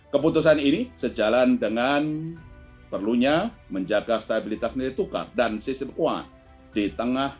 keputusan ini sejalan dengan perlunya menjaga stabilitas nilai tukar dan sistem uang di tengah